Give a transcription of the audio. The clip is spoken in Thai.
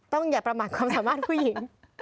อย่าประมาทความสามารถผู้หญิง